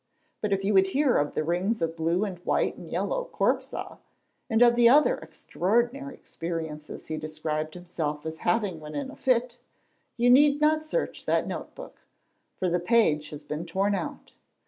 But if you would hear of the rings of blue and white and yellow Corp saw, and of the other extraordinary experiences he described himself as having when in a fit, you need not search that note book, for the page has been torn out.